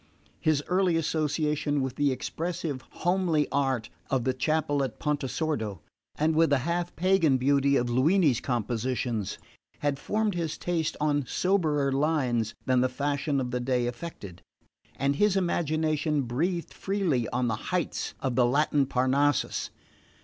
His early association with the expressive homely art of the chapel at Pontesordo and with the half pagan beauty of Luini's compositions had formed his taste on soberer lines than the fashion of the day affected; and his imagination breathed freely on the heights of the Latin Parnassus.